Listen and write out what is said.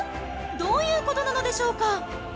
どういうことなのでしょうか？